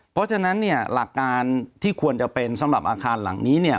เพราะฉะนั้นเนี่ยหลักการที่ควรจะเป็นสำหรับอาคารหลังนี้เนี่ย